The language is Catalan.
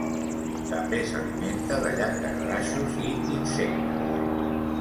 També s'alimenta de llangardaixos i insectes.